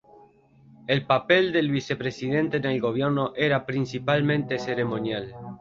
El papel del vicepresidente en el gobierno era principalmente ceremonial.